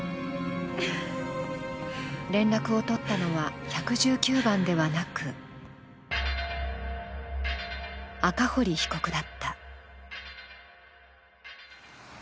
連絡を取ったのは１１９番ではなく赤堀被告だった。